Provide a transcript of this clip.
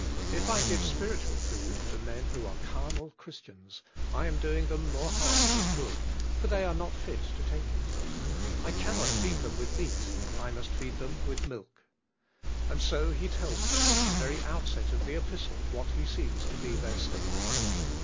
If I give spiritual 7 8 CARNAL CHRISTIANS food to men who are carnal Christians, I am doing them more harm than good, for they are not fit to take it. I cannot feed them with meat, I must feed them with milk. And so he tells them at the very outset of the epistle what he sees to be their state.